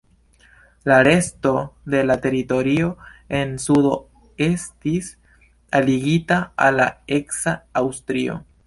La resto de la teritorio en sudo estis aligita al la eksa Aŭstrio.